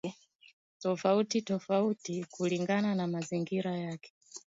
tofauti tofauti kulingana na mazingira yake